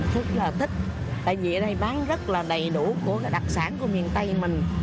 thật là thích tại vì ở đây bán rất là đầy đủ của đặc sản của miền tây mình